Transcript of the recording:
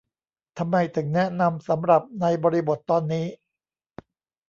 ทำไมถึงแนะนำสำหรับในบริบทตอนนี้